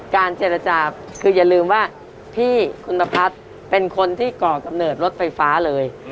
เจรจาคืออย่าลืมว่าพี่คุณประพัดเป็นคนที่ก่อกำเนิดรถไฟฟ้าเลย